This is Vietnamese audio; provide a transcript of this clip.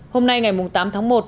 hôm nay ngày tám tháng một